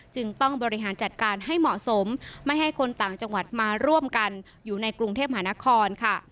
จึงต้องบริหารจัดการให้เหมาะสมไม่ให้คนต่างจังหวัดมาร่วมกันอยู่ในกรุงเทพมหานครค่ะ